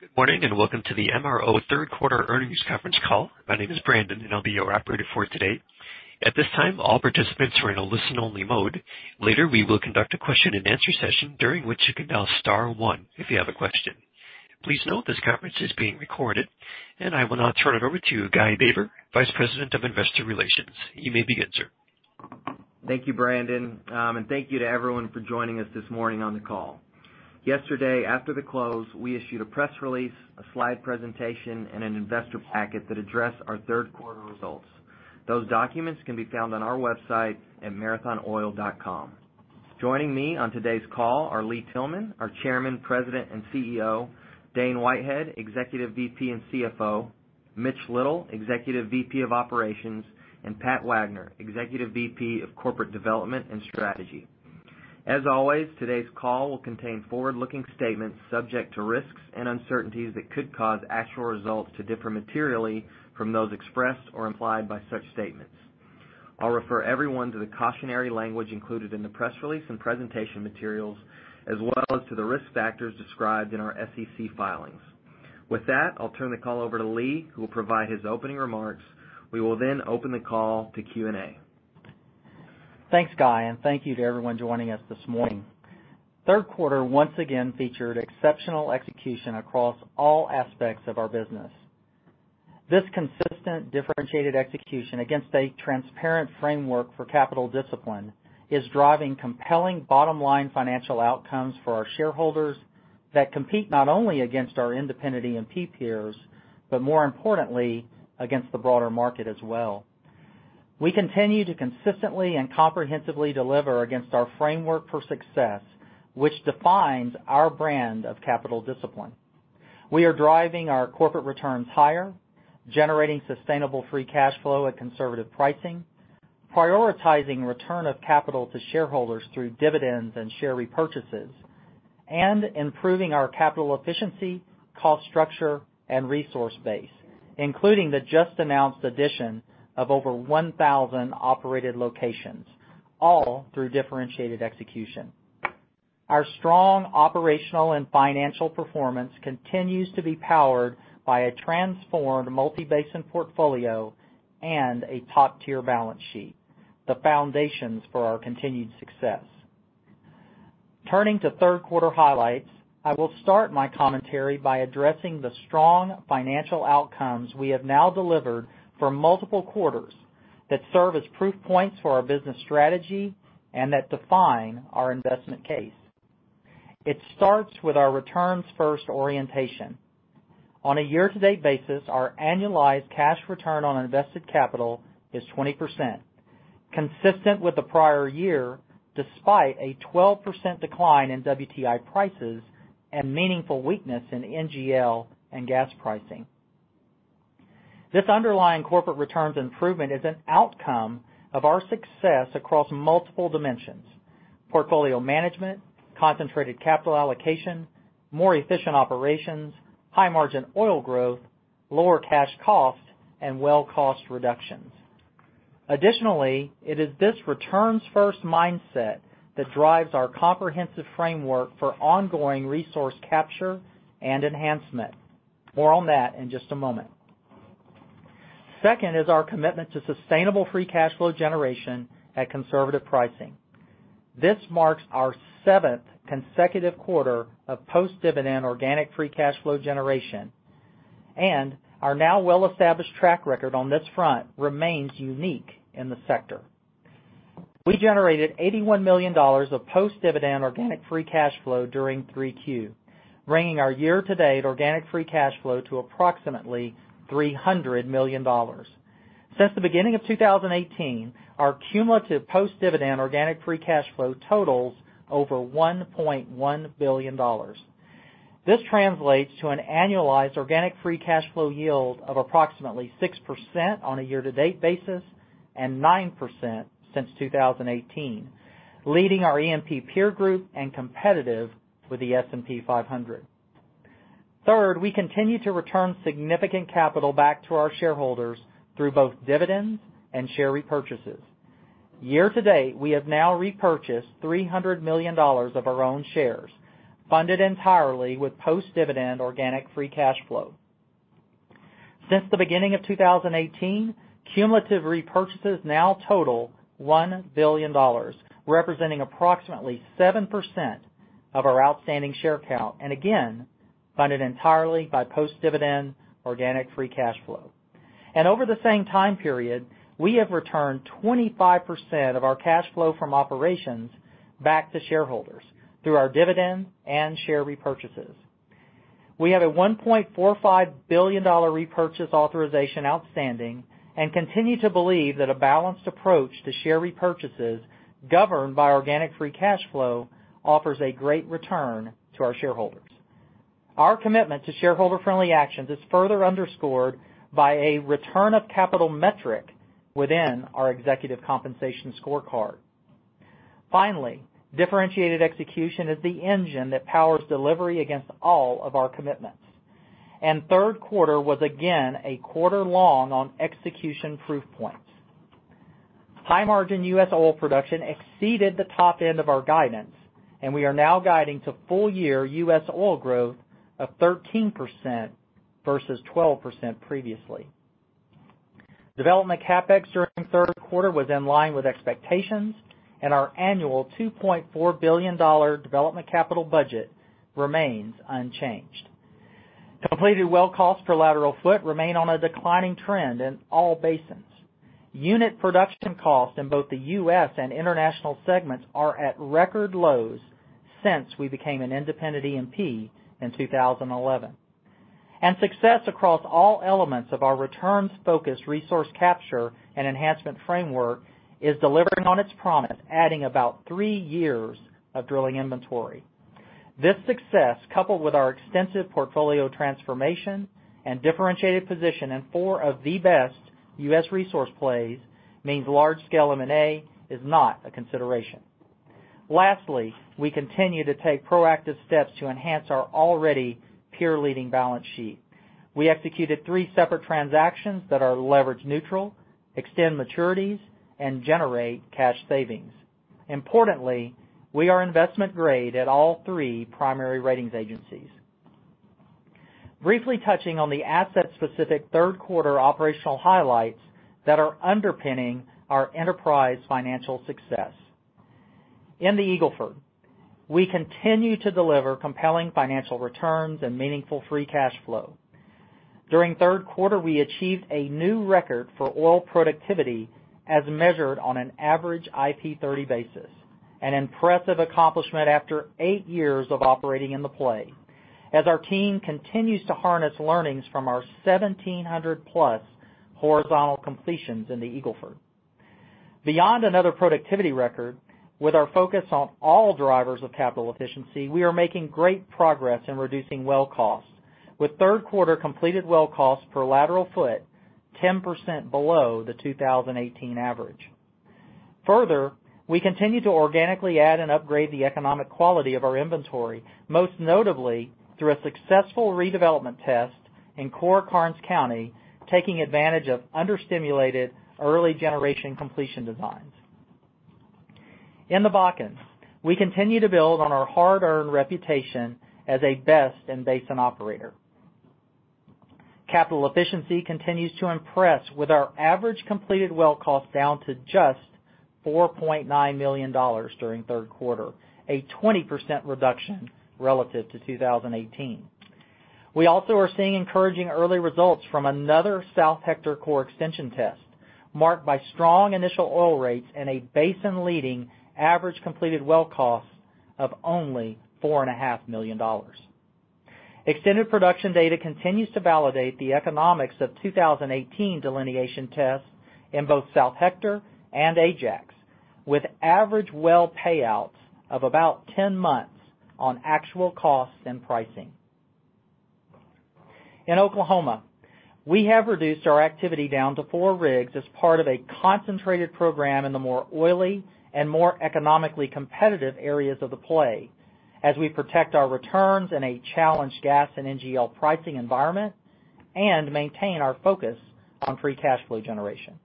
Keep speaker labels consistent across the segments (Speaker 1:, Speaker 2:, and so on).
Speaker 1: Good morning, and welcome to the MRO third quarter earnings conference call. My name is Brandon, and I'll be your operator for today. At this time, all participants are in a listen-only mode. Later, we will conduct a question-and-answer session, during which you can dial star one if you have a question. Please note this conference is being recorded. I will now turn it over to Guy Baber, Vice President of Investor Relations. You may begin, sir.
Speaker 2: Thank you, Brandon, and thank you to everyone for joining us this morning on the call. Yesterday, after the close, we issued a press release, a slide presentation, and an investor packet that address our third quarter results. Those documents can be found on our website at marathonoil.com. Joining me on today's call are Lee Tillman, our chairman, president, and CEO, Dane Whitehead, executive VP and CFO, Mitch Little, executive VP of operations, and Pat Wagner, executive VP of corporate development and strategy. As always, today's call will contain forward-looking statements subject to risks and uncertainties that could cause actual results to differ materially from those expressed or implied by such statements. I'll refer everyone to the cautionary language included in the press release and presentation materials, as well as to the risk factors described in our SEC filings. With that, I'll turn the call over to Lee, who will provide his opening remarks. We will open the call to Q&A.
Speaker 3: Thanks, Guy, and thank you to everyone joining us this morning. Third quarter, once again, featured exceptional execution across all aspects of our business. This consistent, differentiated execution against a transparent framework for capital discipline is driving compelling bottom-line financial outcomes for our shareholders that compete not only against our independent E&P peers, but more importantly, against the broader market as well. We continue to consistently and comprehensively deliver against our framework for success, which defines our brand of capital discipline. We are driving our corporate returns higher, generating sustainable free cash flow at conservative pricing, prioritizing return of capital to shareholders through dividends and share repurchases, and improving our capital efficiency, cost structure, and resource base, including the just-announced addition of over 1,000 operated locations, all through differentiated execution. Our strong operational and financial performance continues to be powered by a transformed multi-basin portfolio and a top-tier balance sheet, the foundations for our continued success. Turning to third quarter highlights, I will start my commentary by addressing the strong financial outcomes we have now delivered for multiple quarters that serve as proof points for our business strategy and that define our investment case. It starts with our returns first orientation. On a year-to-date basis, our annualized cash return on invested capital is 20%, consistent with the prior year, despite a 12% decline in WTI prices and meaningful weakness in NGL and gas pricing. This underlying corporate returns improvement is an outcome of our success across multiple dimensions: portfolio management, concentrated capital allocation, more efficient operations, high-margin oil growth, lower cash costs, and well cost reductions. Additionally, it is this returns first mindset that drives our comprehensive framework for ongoing resource capture and enhancement. More on that in just a moment. Second is our commitment to sustainable free cash flow generation at conservative pricing. This marks our seventh consecutive quarter of post-dividend organic free cash flow generation, and our now well-established track record on this front remains unique in the sector. We generated $81 million of post-dividend organic free cash flow during 3Q, bringing our year-to-date organic free cash flow to approximately $300 million. Since the beginning of 2018, our cumulative post-dividend organic free cash flow totals over $1.1 billion. This translates to an annualized organic free cash flow yield of approximately 6% on a year-to-date basis and 9% since 2018, leading our E&P peer group and competitive with the S&P 500. Third, we continue to return significant capital back to our shareholders through both dividends and share repurchases. Year to date, we have now repurchased $300 million of our own shares, funded entirely with post-dividend organic free cash flow. Since the beginning of 2018, cumulative repurchases now total $1 billion, representing approximately 7% of our outstanding share count, and again, funded entirely by post-dividend organic free cash flow. Over the same time period, we have returned 25% of our cash flow from operations back to shareholders through our dividend and share repurchases. We have a $1.45 billion repurchase authorization outstanding and continue to believe that a balanced approach to share repurchases governed by organic free cash flow offers a great return to our shareholders. Our commitment to shareholder-friendly actions is further underscored by a return of capital metric within our executive compensation scorecard. Differentiated execution is the engine that powers delivery against all of our commitments, and third quarter was again a quarter long on execution proof points. High margin U.S. oil production exceeded the top end of our guidance, and we are now guiding to full year U.S. oil growth of 13% versus 12% previously. Development CapEx during the third quarter was in line with expectations, and our annual $2.4 billion development capital budget remains unchanged. Completed well costs per lateral foot remain on a declining trend in all basins. Unit production costs in both the U.S. and international segments are at record lows since we became an independent E&P in 2011. Success across all elements of our returns-focused resource capture and enhancement framework is delivering on its promise, adding about three years of drilling inventory. This success, coupled with our extensive portfolio transformation and differentiated position in four of the best U.S. resource plays, means large-scale M&A is not a consideration. Lastly, we continue to take proactive steps to enhance our already peer-leading balance sheet. We executed three separate transactions that are leverage neutral, extend maturities, and generate cash savings. Importantly, we are investment grade at all three primary ratings agencies. Briefly touching on the asset-specific third quarter operational highlights that are underpinning our enterprise financial success. In the Eagle Ford, we continue to deliver compelling financial returns and meaningful free cash flow. During the third quarter, we achieved a new record for oil productivity as measured on an average IP 30 basis, an impressive accomplishment after eight years of operating in the play, as our team continues to harness learnings from our 1,700-plus horizontal completions in the Eagle Ford. Beyond another productivity record, with our focus on all drivers of capital efficiency, we are making great progress in reducing well costs, with third quarter completed well costs per lateral foot 10% below the 2018 average. Further, we continue to organically add and upgrade the economic quality of our inventory, most notably through a successful redevelopment test in Core Karnes County, taking advantage of under-stimulated early generation completion designs. In the Bakken, we continue to build on our hard-earned reputation as a best-in-basin operator. Capital efficiency continues to impress with our average completed well cost down to just $4.9 million during the third quarter, a 20% reduction relative to 2018. We also are seeing encouraging early results from another South Hector core extension test, marked by strong initial oil rates and a basin-leading average completed well cost of only $4.5 million. Extended production data continues to validate the economics of 2018 delineation tests in both South Hector and Ajax, with average well payouts of about 10 months on actual costs and pricing. In Oklahoma, we have reduced our activity down to four rigs as part of a concentrated program in the more oily and more economically competitive areas of the play as we protect our returns in a challenged gas and NGL pricing environment and maintain our focus on free cash flow generation.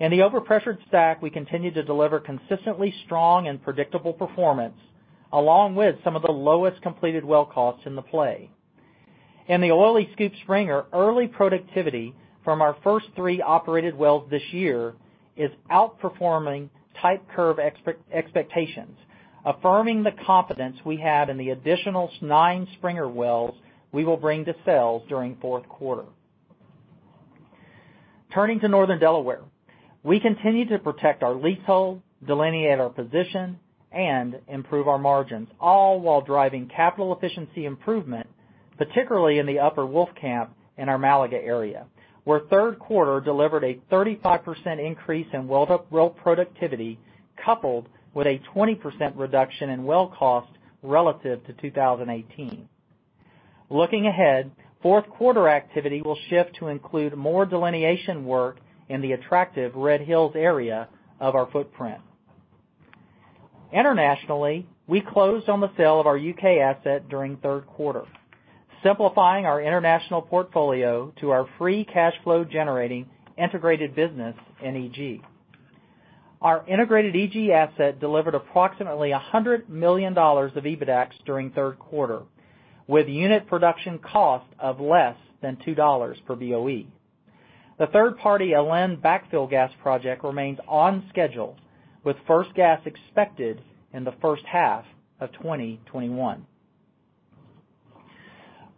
Speaker 3: In the overpressured STACK, we continue to deliver consistently strong and predictable performance, along with some of the lowest completed well costs in the play. In the oily SCOOP/Springer, early productivity from our first three operated wells this year is outperforming type curve expectations, affirming the confidence we have in the additional nine Springer wells we will bring to sales during the fourth quarter. Turning to Northern Delaware, we continue to protect our leasehold, delineate our position, and improve our margins, all while driving capital efficiency improvement, particularly in the Upper Wolfcamp in our Malaga area, where the third quarter delivered a 35% increase in well productivity coupled with a 20% reduction in well cost relative to 2018. Looking ahead, fourth quarter activity will shift to include more delineation work in the attractive Red Hills area of our footprint. Internationally, we closed on the sale of our U.K. asset during the third quarter, simplifying our international portfolio to our free cash flow-generating integrated business in EG. Our integrated EG asset delivered approximately $100 million of EBITDAX during the third quarter, with unit production cost of less than $2 per BOE. The third-party Alen backfill gas project remains on schedule, with first gas expected in the first half of 2021.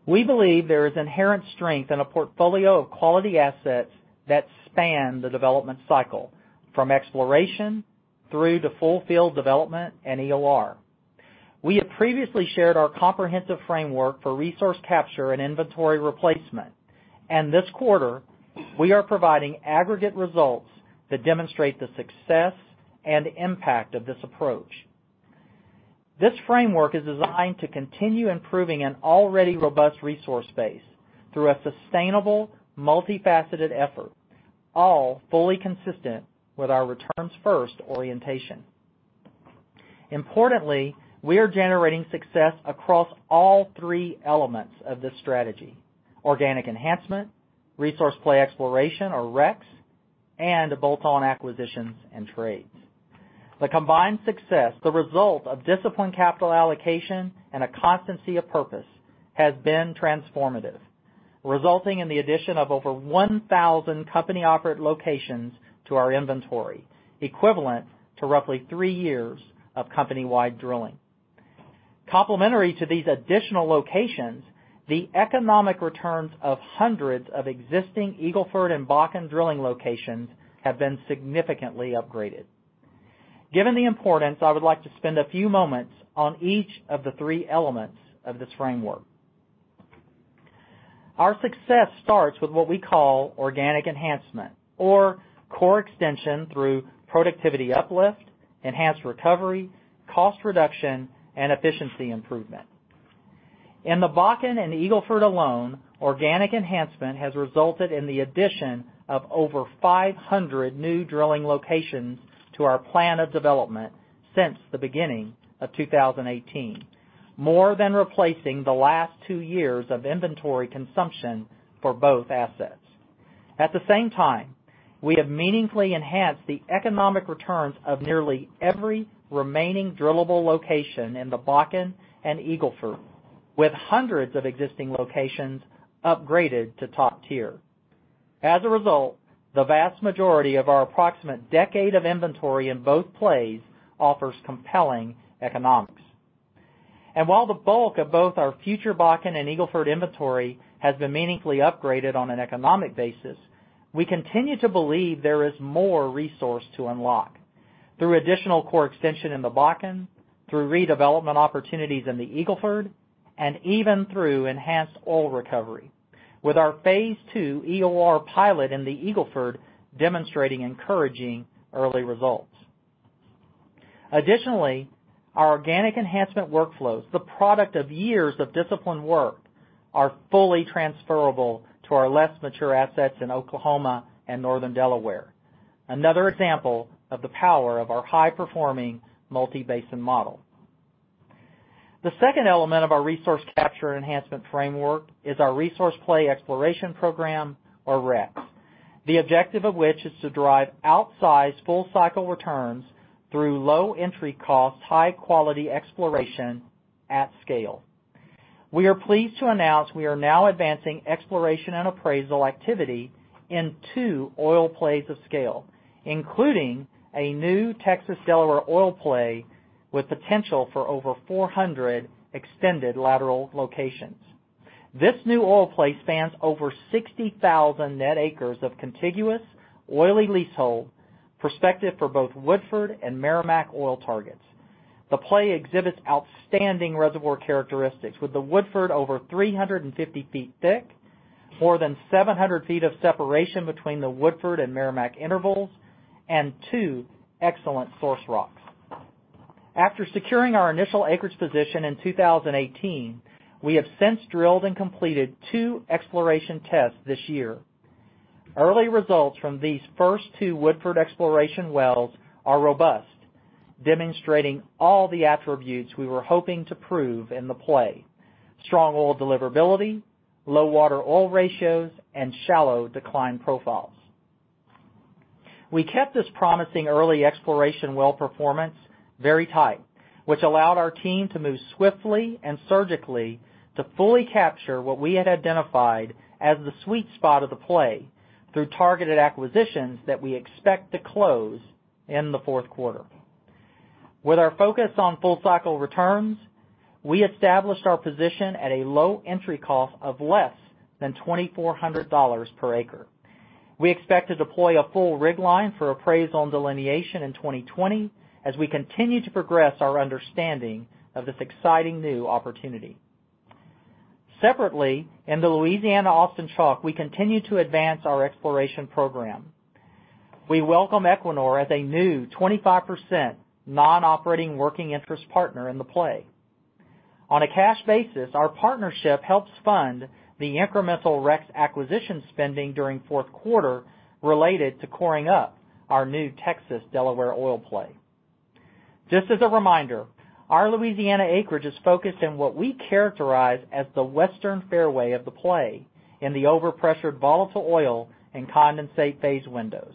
Speaker 3: We believe there is inherent strength in a portfolio of quality assets that span the development cycle from exploration through to full field development and EOR. We have previously shared our comprehensive framework for resource capture and inventory replacement, and this quarter, we are providing aggregate results that demonstrate the success and impact of this approach. This framework is designed to continue improving an already robust resource base through a sustainable, multifaceted effort, all fully consistent with our returns-first orientation. Importantly, we are generating success across all three elements of this strategy: organic enhancement, resource play exploration, or REX, and bolt-on acquisitions and trades. The combined success, the result of disciplined capital allocation and a constancy of purpose, has been transformative, resulting in the addition of over 1,000 company-operated locations to our inventory, equivalent to roughly three years of company-wide drilling. Complementary to these additional locations, the economic returns of hundreds of existing Eagle Ford and Bakken drilling locations have been significantly upgraded. Given the importance, I would like to spend a few moments on each of the three elements of this framework. Our success starts with what we call organic enhancement, or core extension through productivity uplift, enhanced recovery, cost reduction, and efficiency improvement. In the Bakken and the Eagle Ford alone, organic enhancement has resulted in the addition of over 500 new drilling locations to our plan of development since the beginning of 2018. More than replacing the last two years of inventory consumption for both assets. At the same time, we have meaningfully enhanced the economic returns of nearly every remaining drillable location in the Bakken and Eagle Ford, with hundreds of existing locations upgraded to top tier. As a result, the vast majority of our approximate decade of inventory in both plays offers compelling economics. While the bulk of both our future Bakken and Eagle Ford inventory has been meaningfully upgraded on an economic basis, we continue to believe there is more resource to unlock through additional core extension in the Bakken, through redevelopment opportunities in the Eagle Ford, and even through enhanced oil recovery, with our phase II EOR pilot in the Eagle Ford demonstrating encouraging early results. Additionally, our organic enhancement workflows, the product of years of disciplined work, are fully transferable to our less mature assets in Oklahoma and Northern Delaware. Another example of the power of our high-performing multi-basin model. The second element of our resource capture and enhancement framework is our Resource Play Exploration program, or REX. The objective of which is to drive outsized full-cycle returns through low entry cost, high-quality exploration at scale. We are pleased to announce we are now advancing exploration and appraisal activity in two oil plays of scale, including a new Texas Delaware oil play with potential for over 400 extended lateral locations. This new oil play spans over 60,000 net acres of contiguous oily leasehold prospective for both Woodford and Meramec oil targets. The play exhibits outstanding reservoir characteristics with the Woodford over 350 feet thick, more than 700 feet of separation between the Woodford and Meramec intervals, and two excellent source rocks. After securing our initial acreage position in 2018, we have since drilled and completed two exploration tests this year. Early results from these first two Woodford exploration wells are robust, demonstrating all the attributes we were hoping to prove in the play: strong oil deliverability, low water oil ratios, and shallow decline profiles. We kept this promising early exploration well performance very tight, which allowed our team to move swiftly and surgically to fully capture what we had identified as the sweet spot of the play through targeted acquisitions that we expect to close in the fourth quarter. With our focus on full-cycle returns, we established our position at a low entry cost of less than $2,400 per acre. We expect to deploy a full rig line for appraisal and delineation in 2020 as we continue to progress our understanding of this exciting new opportunity. Separately, in the Louisiana Austin Chalk, we continue to advance our exploration program. We welcome Equinor as a new 25% non-operating working interest partner in the play. On a cash basis, our partnership helps fund the incremental REx acquisition spending during fourth quarter related to coring up our new Texas Delaware oil play. Just as a reminder, our Louisiana acreage is focused in what we characterize as the western fairway of the play in the overpressured volatile oil and condensate phase windows.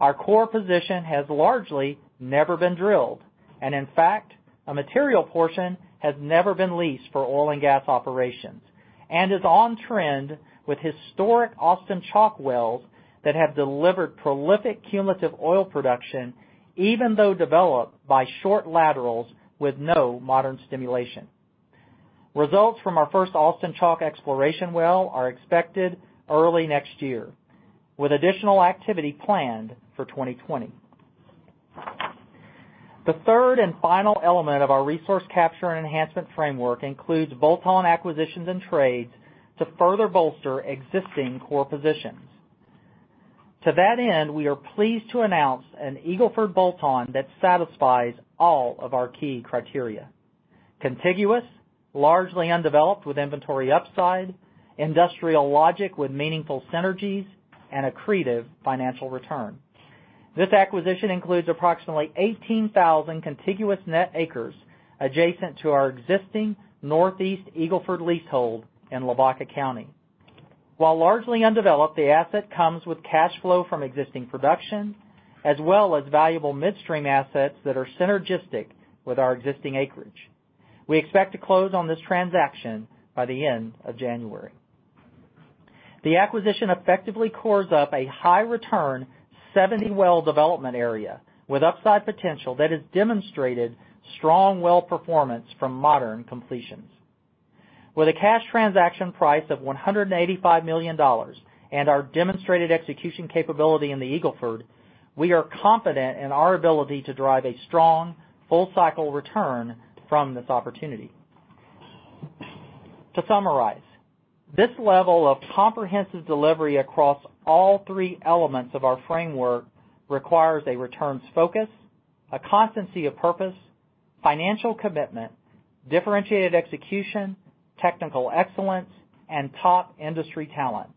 Speaker 3: Our core position has largely never been drilled, and in fact, a material portion has never been leased for oil and gas operations, and is on trend with historic Austin Chalk wells that have delivered prolific cumulative oil production, even though developed by short laterals with no modern stimulation. Results from our first Austin Chalk exploration well are expected early next year, with additional activity planned for 2020. The third and final element of our resource capture and enhancement framework includes bolt-on acquisitions and trades to further bolster existing core positions. To that end, we are pleased to announce an Eagle Ford bolt-on that satisfies all of our key criteria, contiguous, largely undeveloped with inventory upside, industrial logic with meaningful synergies, and accretive financial return. This acquisition includes approximately 18,000 contiguous net acres adjacent to our existing Northeast Eagle Ford leasehold in Lavaca County. While largely undeveloped, the asset comes with cash flow from existing production, as well as valuable midstream assets that are synergistic with our existing acreage. We expect to close on this transaction by the end of January. The acquisition effectively cores up a high return, 70 well development area with upside potential that has demonstrated strong well performance from modern completions. With a cash transaction price of $185 million and our demonstrated execution capability in the Eagle Ford, we are confident in our ability to drive a strong full cycle return from this opportunity. To summarize, this level of comprehensive delivery across all three elements of our framework requires a returns focus, a constancy of purpose, financial commitment, differentiated execution, technical excellence, and top industry talent.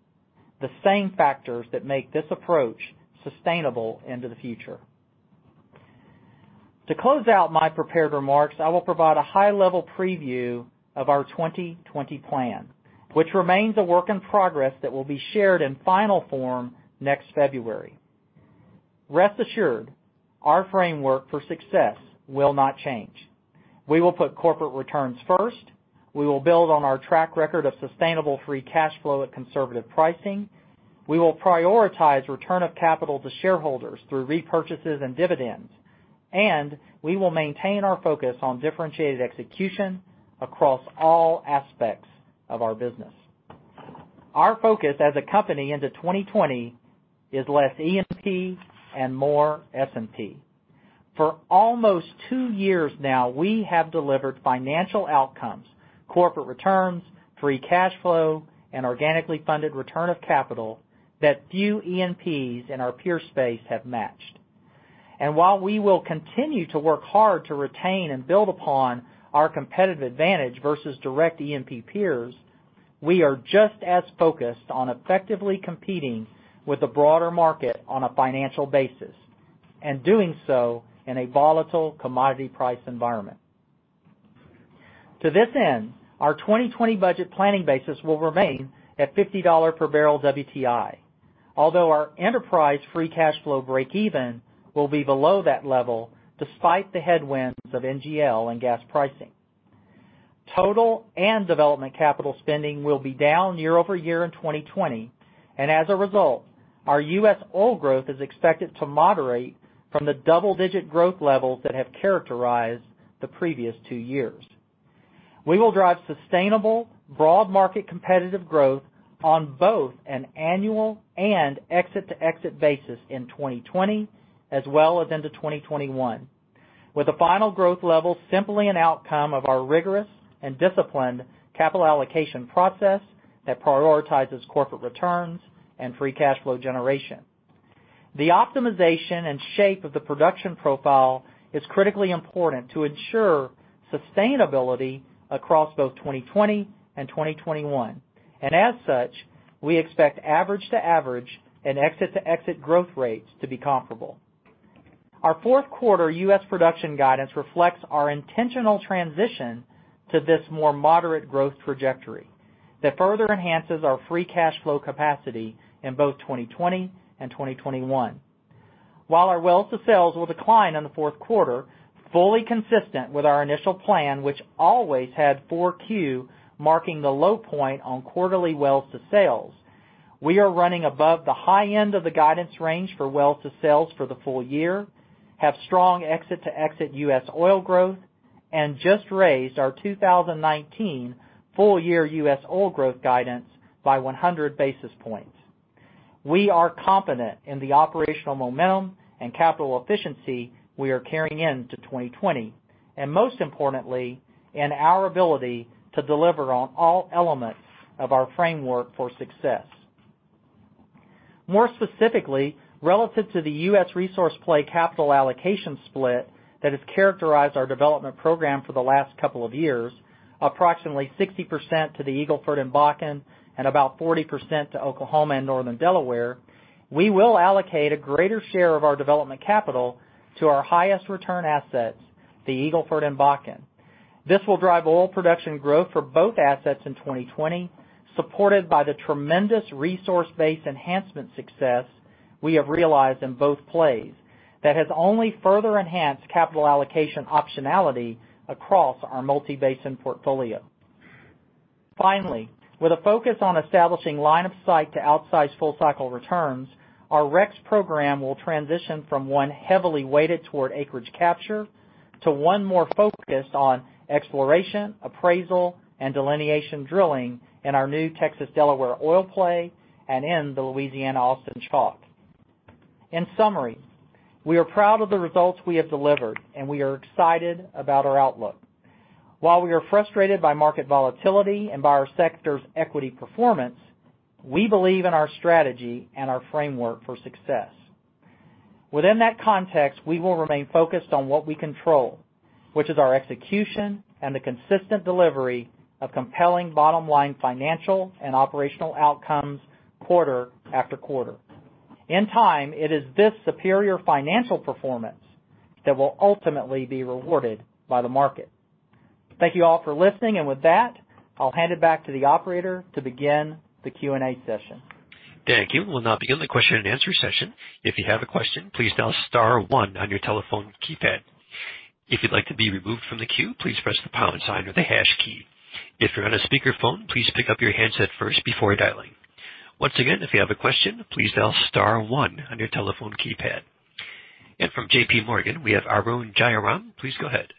Speaker 3: The same factors that make this approach sustainable into the future. To close out my prepared remarks, I will provide a high-level preview of our 2020 plan, which remains a work in progress that will be shared in final form next February. Rest assured, our framework for success will not change. We will put corporate returns first. We will build on our track record of sustainable free cash flow at conservative pricing. We will prioritize return of capital to shareholders through repurchases and dividends, and we will maintain our focus on differentiated execution across all aspects of our business. Our focus as a company into 2020 is less E&P and more S&P. For almost two years now, we have delivered financial outcomes, corporate returns, free cash flow, and organically funded return of capital that few E&Ps in our peer space have matched. While we will continue to work hard to retain and build upon our competitive advantage versus direct E&P peers, we are just as focused on effectively competing with the broader market on a financial basis, and doing so in a volatile commodity price environment. To this end, our 2020 budget planning basis will remain at $50 per barrel WTI. Although our enterprise free cash flow breakeven will be below that level despite the headwinds of NGL and gas pricing. Total and development capital spending will be down year-over-year in 2020. As a result, our U.S. oil growth is expected to moderate from the double-digit growth levels that have characterized the previous two years. We will drive sustainable broad market competitive growth on both an annual and exit-to-exit basis in 2020 as well as into 2021. With the final growth level simply an outcome of our rigorous and disciplined capital allocation process that prioritizes corporate returns and free cash flow generation. The optimization and shape of the production profile is critically important to ensure sustainability across both 2020 and 2021. As such, we expect average-to-average and exit-to-exit growth rates to be comparable. Our fourth quarter U.S. production guidance reflects our intentional transition to this more moderate growth trajectory that further enhances our free cash flow capacity in both 2020 and 2021. While our wells to sales will decline in the fourth quarter, fully consistent with our initial plan, which always had four Q marking the low point on quarterly wells to sales, we are running above the high end of the guidance range for wells to sales for the full year, have strong exit to exit U.S. oil growth, and just raised our 2019 full year U.S. oil growth guidance by 100 basis points. We are confident in the operational momentum and capital efficiency we are carrying into 2020, and most importantly, in our ability to deliver on all elements of our framework for success. More specifically, relative to the U.S. resource play capital allocation split that has characterized our development program for the last couple of years, approximately 60% to the Eagle Ford and Bakken and about 40% to Oklahoma and Northern Delaware, we will allocate a greater share of our development capital to our highest return assets, the Eagle Ford and Bakken. This will drive oil production growth for both assets in 2020, supported by the tremendous resource base enhancement success we have realized in both plays. That has only further enhanced capital allocation optionality across our multi-basin portfolio. Finally, with a focus on establishing line of sight to outsize full cycle returns, our REx program will transition from one heavily weighted toward acreage capture to one more focused on exploration, appraisal, and delineation drilling in our new Texas Delaware Oil Play and in the Louisiana Austin Chalk. In summary, we are proud of the results we have delivered, and we are excited about our outlook. While we are frustrated by market volatility and by our sector's equity performance, we believe in our strategy and our framework for success. Within that context, we will remain focused on what we control, which is our execution and the consistent delivery of compelling bottom-line financial and operational outcomes quarter after quarter. In time, it is this superior financial performance that will ultimately be rewarded by the market. Thank you all for listening, and with that, I'll hand it back to the operator to begin the Q&A session.
Speaker 1: Thank you. We'll now begin the question and answer session. If you have a question, please dial star one on your telephone keypad. If you'd like to be removed from the queue, please press the pound sign or the hash key. If you're on a speakerphone, please pick up your handset first before dialing. Once again, if you have a question, please dial star one on your telephone keypad. From JPMorgan, we have Arun Jayaram. Please go ahead.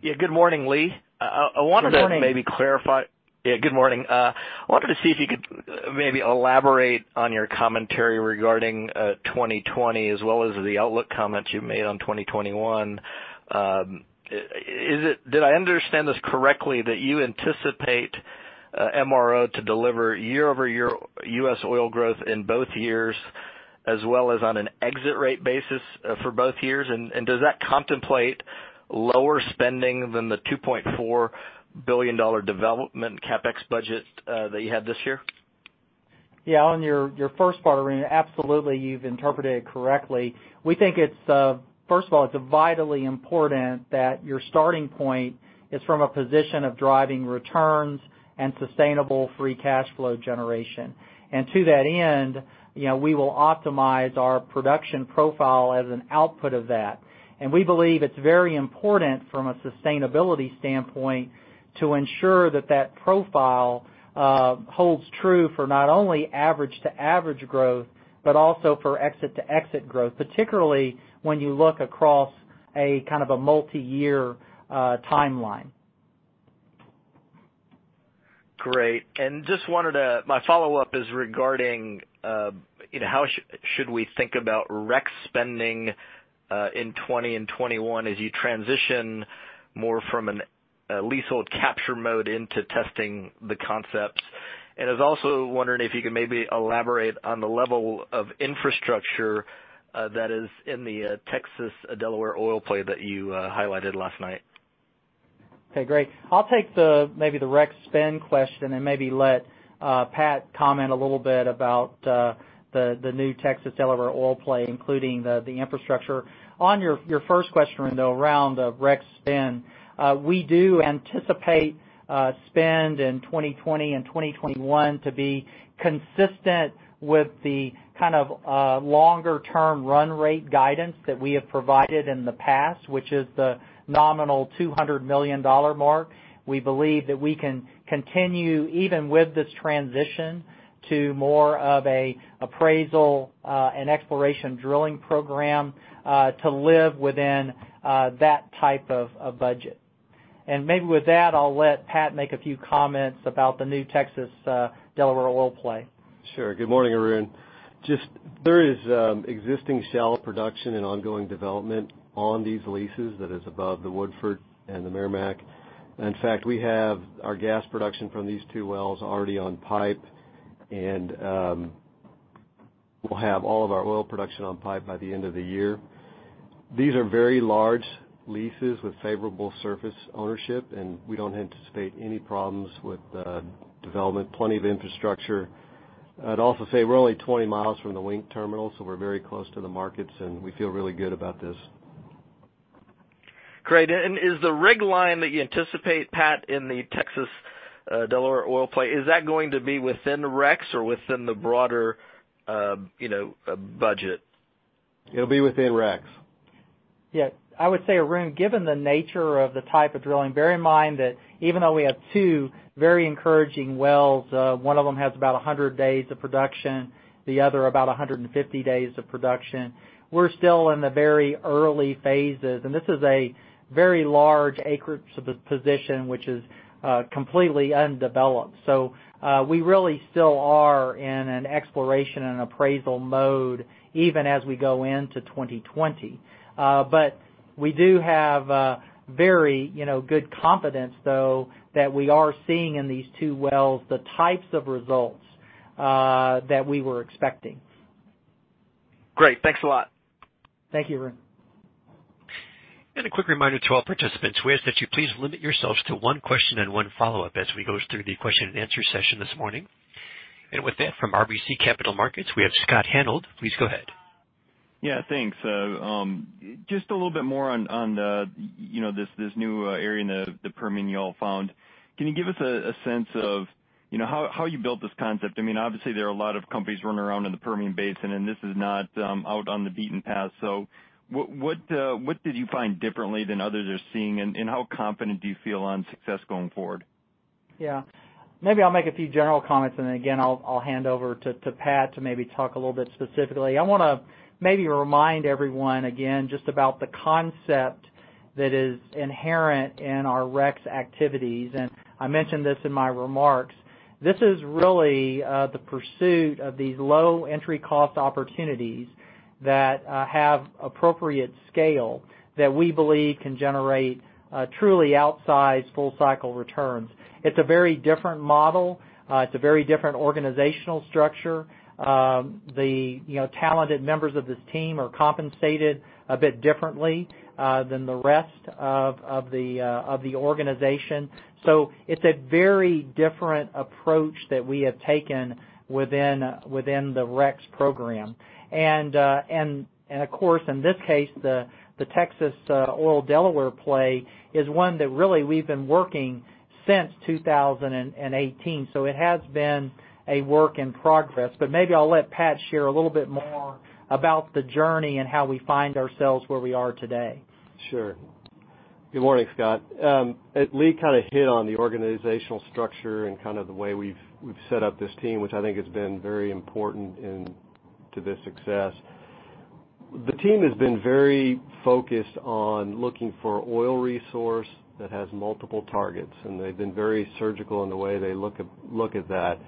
Speaker 4: Yeah, good morning, Lee.
Speaker 3: Good morning.
Speaker 4: I wanted to maybe clarify. Yeah, good morning. I wanted to see if you could maybe elaborate on your commentary regarding 2020 as well as the outlook comments you made on 2021. Did I understand this correctly that you anticipate MRO to deliver year-over-year U.S. oil growth in both years as well as on an exit rate basis for both years? Does that contemplate lower spending than the $2.4 billion development CapEx budget that you had this year?
Speaker 3: Yeah, on your first part, Arun, absolutely, you've interpreted it correctly. We think, first of all, it's vitally important that your starting point is from a position of driving returns and sustainable free cash flow generation. To that end, we will optimize our production profile as an output of that. We believe it's very important from a sustainability standpoint to ensure that profile holds true for not only average-to-average growth, but also for exit-to-exit growth, particularly when you look across a multiyear timeline.
Speaker 4: Great. My follow-up is regarding how should we think about REx spending in 2020 and 2021 as you transition more from a leasehold capture mode into testing the concepts? I was also wondering if you could maybe elaborate on the level of infrastructure that is in the Texas Delaware oil play that you highlighted last night.
Speaker 3: Okay, great. I'll take maybe the REx spend question and maybe let Pat comment a little bit about the new Texas Delaware oil play, including the infrastructure. On your first question around the REx spend, we do anticipate spend in 2020 and 2021 to be consistent with the longer-term run rate guidance that we have provided in the past, which is the nominal $200 million mark. We believe that we can continue, even with this transition to more of an appraisal and exploration drilling program, to live within that type of budget. Maybe with that, I'll let Pat make a few comments about the new Texas Delaware oil play.
Speaker 5: Sure. Good morning, Arun. There is existing shell production and ongoing development on these leases that is above the Woodford and the Meramec. In fact, we have our gas production from these two wells already on pipe, and we'll have all of our oil production on pipe by the end of the year. These are very large leases with favorable surface ownership, and we don't anticipate any problems with development. Plenty of infrastructure. I'd also say we're only 20 miles from the LNG terminal, so we're very close to the markets, and we feel really good about this.
Speaker 4: Great. Is the rig line that you anticipate, Pat, in the Texas Delaware oil play, is that going to be within REx or within the broader budget?
Speaker 5: It'll be within recs.
Speaker 3: Yeah. I would say, Arun, given the nature of the type of drilling, bear in mind that even though we have two very encouraging wells, one of them has about 100 days of production, the other about 150 days of production. We're still in the very early phases, and this is a very large acreage position, which is completely undeveloped. We really still are in an exploration and appraisal mode even as we go into 2020. We do have very good confidence, though, that we are seeing in these two wells the types of results that we were expecting.
Speaker 4: Great. Thanks a lot.
Speaker 3: Thank you, Arun.
Speaker 1: A quick reminder to all participants. We ask that you please limit yourselves to one question and one follow-up as we go through the question and answer session this morning. With that, from RBC Capital Markets, we have Scott Hanold. Please go ahead.
Speaker 6: Yeah, thanks. Just a little bit more on this new area in the Permian you all found. Can you give us a sense of how you built this concept? Obviously, there are a lot of companies running around in the Permian Basin, and this is not out on the beaten path. What did you find differently than others are seeing, and how confident do you feel on success going forward?
Speaker 3: Maybe I'll make a few general comments, and again, I'll hand over to Pat to maybe talk a little bit specifically. I want to maybe remind everyone again just about the concept that is inherent in our REx activities, and I mentioned this in my remarks. This is really the pursuit of these low entry cost opportunities that have appropriate scale that we believe can generate truly outsized full cycle returns. It's a very different model. It's a very different organizational structure. The talented members of this team are compensated a bit differently than the rest of the organization. It's a very different approach that we have taken within the REx program. Of course, in this case, the Texas Oil Delaware play is one that really we've been working since 2018. It has been a work in progress, but maybe I'll let Pat share a little bit more about the journey and how we find ourselves where we are today.
Speaker 5: Sure. Good morning, Scott. Lee hit on the organizational structure, and the way we've set up this team, which I think has been very important to this success. The team has been very focused on looking for oil resource that has multiple targets, and they've been very surgical in the way they look at that.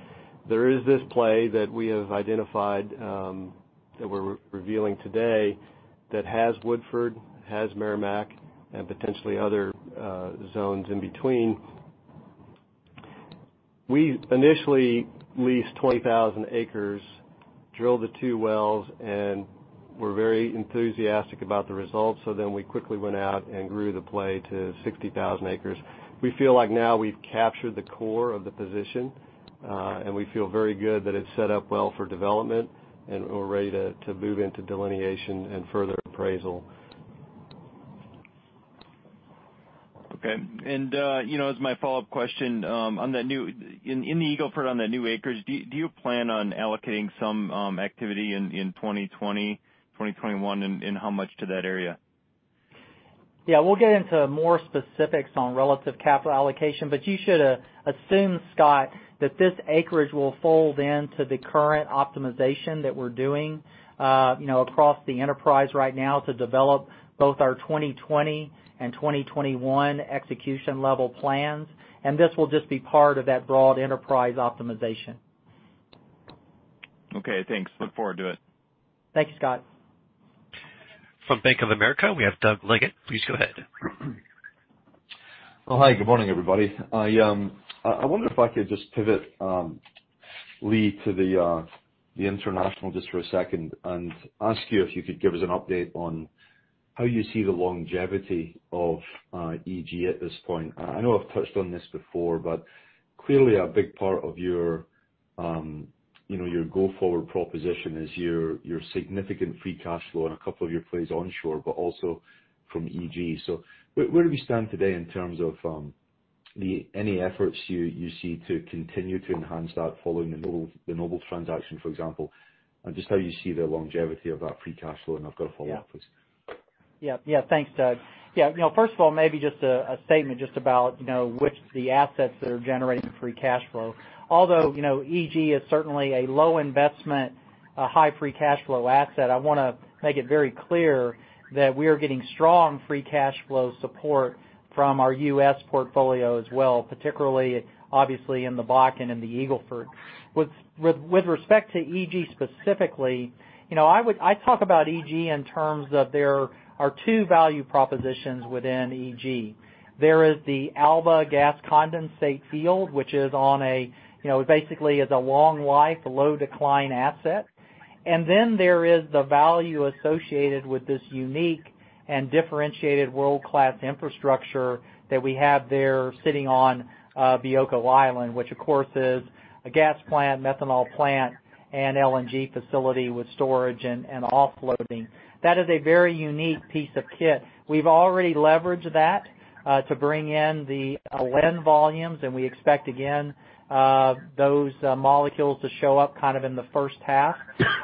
Speaker 5: There is this play that we have identified, that we're revealing today that has Woodford, has Meramec, and potentially other zones in between. We initially leased 20,000 acres, drilled the two wells, and were very enthusiastic about the results. We quickly went out and grew the play to 60,000 acres. We feel like now we've captured the core of the position, and we feel very good that it's set up well for development, and we're ready to move into delineation and further appraisal.
Speaker 6: Okay. As my follow-up question, in the Eagle Ford on the new acres, do you plan on allocating some activity in 2020, 2021? How much to that area?
Speaker 3: Yeah, we'll get into more specifics on relative capital allocation, but you should assume, Scott, that this acreage will fold into the current optimization that we're doing across the enterprise right now to develop both our 2020 and 2021 execution level plans, and this will just be part of that broad enterprise optimization.
Speaker 6: Okay. Thanks. Look forward to it.
Speaker 3: Thanks, Scott.
Speaker 1: From Bank of America, we have Doug Leggate, please go ahead.
Speaker 7: Hi. Good morning, everybody. I wonder if I could just pivot, Lee, to the international just for a second, and ask you if you could give us an update on how you see the longevity of EG at this point. Clearly a big part of your go forward proposition is your significant free cash flow in a couple of your plays onshore, but also from EG. Where do we stand today in terms of any efforts you see to continue to enhance that following the Noble transaction, for example, and just how you see the longevity of that free cash flow? I've got a follow-up, please.
Speaker 3: Yeah. Thanks, Doug. First of all, maybe just a statement just about which of the assets that are generating free cash flow. Although, EG is certainly a low investment, a high free cash flow asset. I want to make it very clear that we are getting strong free cash flow support from our U.S. portfolio as well, particularly obviously in the Bakken and the Eagle Ford. With respect to EG specifically, I talk about EG in terms of there are two value propositions within EG. There is the Alba gas condensate field, which basically is a long life, low decline asset. There is the value associated with this unique and differentiated world-class infrastructure that we have there sitting on Bioko Island, which of course is a gas plant, methanol plant, and LNG facility with storage and offloading. That is a very unique piece of kit. We've already leveraged that to bring in the blend volumes. We expect, again, those molecules to show up in the first half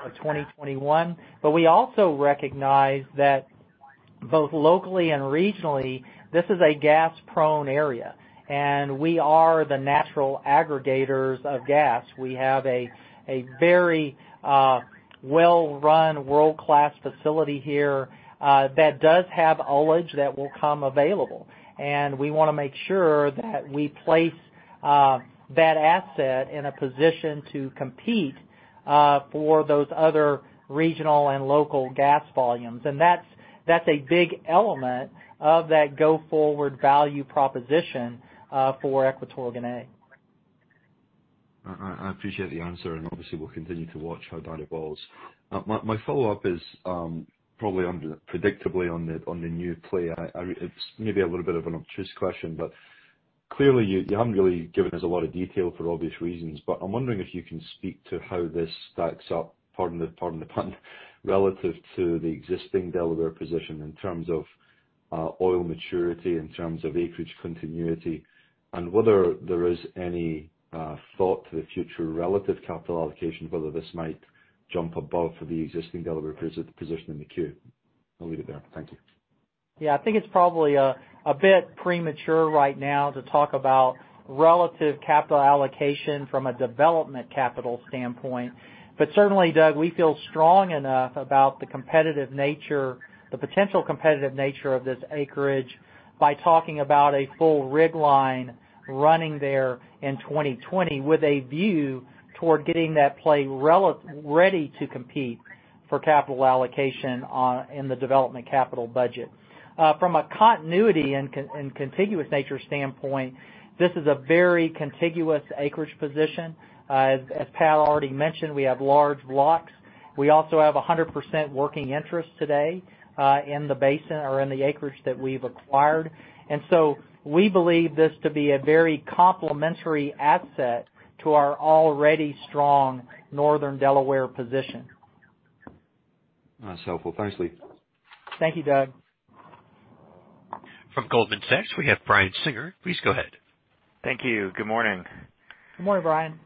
Speaker 3: of 2021. We also recognize that both locally and regionally, this is a gas-prone area. We are the natural aggregators of gas. We have a very well-run world-class facility here that does have ullage that will come available. We want to make sure that we place that asset in a position to compete for those other regional and local gas volumes. That's a big element of that go forward value proposition for Equatorial Guinea.
Speaker 7: I appreciate the answer, and obviously we'll continue to watch how that evolves. My follow-up is probably predictably on the new play. It's maybe a little bit of an obtuse question, but clearly you haven't really given us a lot of detail for obvious reasons, but I'm wondering if you can speak to how this stacks up, pardon the pun, relative to the existing Delaware position in terms of oil maturity, in terms of acreage continuity, and whether there is any thought to the future relative capital allocation, whether this might jump above the existing Delaware position in the queue. I'll leave it there. Thank you.
Speaker 3: Yeah. I think it's probably a bit premature right now to talk about relative capital allocation from a development capital standpoint. Certainly, Doug, we feel strong enough about the potential competitive nature of this acreage by talking about a full rig line running there in 2020 with a view toward getting that play ready to compete for capital allocation in the development capital budget. From a continuity and contiguous nature standpoint, this is a very contiguous acreage position. As Pat already mentioned, we have large blocks. We also have 100% working interest today in the basin or in the acreage that we've acquired. We believe this to be a very complementary asset to our already strong Northern Delaware position.
Speaker 7: That's helpful. Thanks, Lee.
Speaker 3: Thank you, Doug.
Speaker 1: From Goldman Sachs, we have Brian Singer. Please go ahead.
Speaker 8: Thank you. Good morning.
Speaker 3: Good morning, Brian.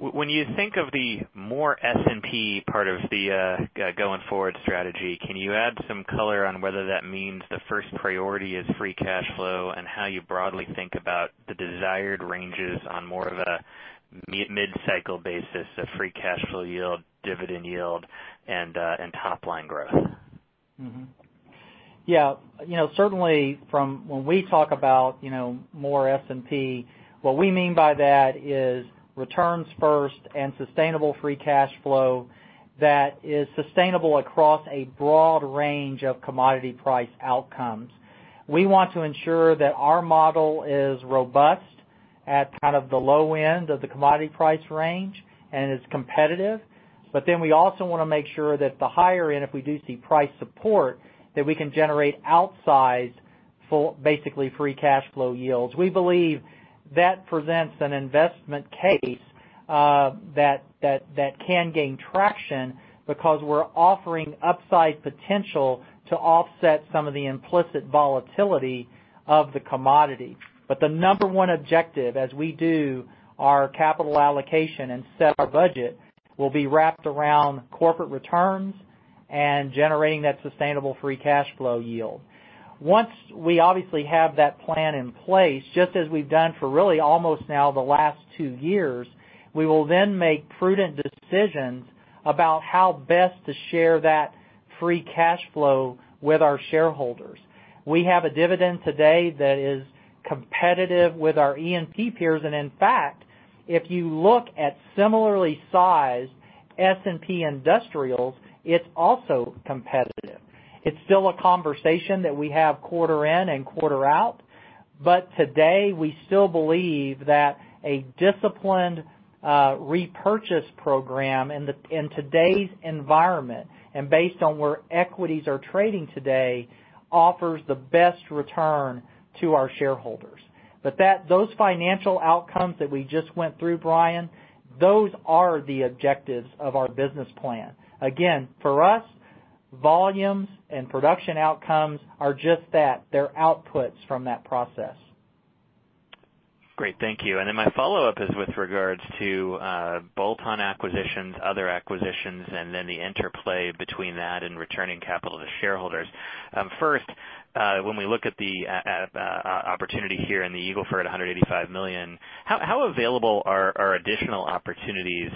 Speaker 8: When you think of the more S&P part of the going forward strategy, can you add some color on whether that means the first priority is free cash flow, and how you broadly think about the desired ranges on more of a mid-cycle basis of free cash flow yield, dividend yield, and top-line growth?
Speaker 3: Yeah. Certainly, from when we talk about more S&P, what we mean by that is returns first and sustainable free cash flow that is sustainable across a broad range of commodity price outcomes. We want to ensure that our model is robust at the low end of the commodity price range, and is competitive. We also want to make sure that the higher end, if we do see price support, that we can generate outsized, basically free cash flow yields. We believe that presents an investment case that can gain traction because we're offering upside potential to offset some of the implicit volatility of the commodity. The number one objective as we do our capital allocation and set our budget, will be wrapped around corporate returns and generating that sustainable free cash flow yield. Once we obviously have that plan in place, just as we've done for really almost now the last two years, we will then make prudent decisions about how best to share that free cash flow with our shareholders. We have a dividend today that is competitive with our E&P peers. In fact, if you look at similarly sized S&P industrials, it's also competitive. It's still a conversation that we have quarter in and quarter out. Today, we still believe that a disciplined repurchase program in today's environment, and based on where equities are trading today, offers the best return to our shareholders. Those financial outcomes that we just went through, Brian, those are the objectives of our business plan. Again, for us, volumes and production outcomes are just that. They're outputs from that process.
Speaker 8: Great. Thank you. My follow-up is with regards to bolt-on acquisitions, other acquisitions, and then the interplay between that and returning capital to shareholders. First, when we look at the opportunity here in the Eagle Ford, $185 million, how available are additional opportunities